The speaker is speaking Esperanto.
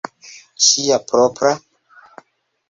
Ŝia propra?